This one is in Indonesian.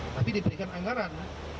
tapi diberikan anggaran